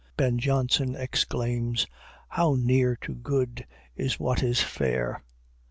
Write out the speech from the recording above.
Ben Jonson exclaims, "How near to good is what is fair!"